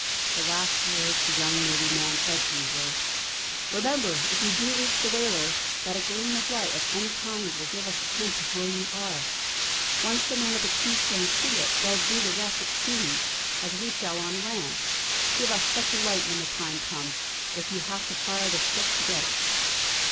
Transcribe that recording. The last words the young navy man said to me were: "Remember, if you do reach the whaler, that a gleam of light of any kind will give us a hint of where you are. Once the men of the Keystone see it, they'll do the rest at sea; as we shall on land. Give us such a light when the time comes if you have to fire the ship to get it!"